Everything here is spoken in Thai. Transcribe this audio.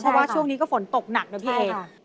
เพราะว่าช่วงนี้ก็ฝนตกหนักเนอะพี่เองใช่ค่ะ